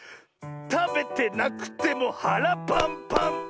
たべてなくてもはらパンパン！